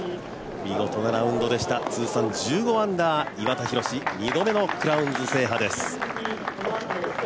見事なラウンドでした、通算１５アンダー岩田寛、２度目のクラウンズ制覇です。